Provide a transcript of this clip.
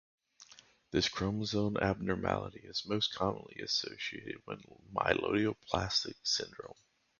This chromosome abnormality is most commonly associated with the myelodysplastic syndrome.